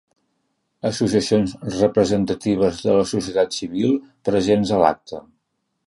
Associacions representatives de la societat civil presents a l’acte.